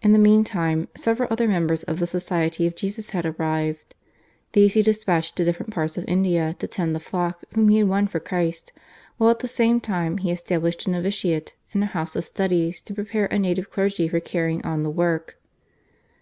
In the meantime several other members of the Society of Jesus had arrived. These he despatched to different parts of India to tend the flock whom he had won for Christ, while at the same time he established a novitiate and a house of studies to prepare a native clergy for carrying on the work.